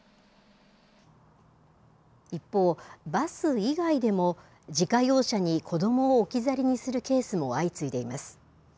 一方、バス以外でも、自家用車に子どもを置き去りにするケースも相次いでいます。